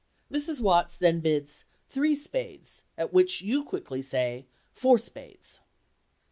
Mrs. Watts then bids "Three spades," at which you quickly say, "Four spades."